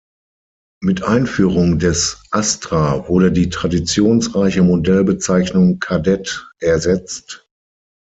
Mit Einführung des "Astra" wurde die traditionsreiche Modellbezeichnung "Kadett" ersetzt.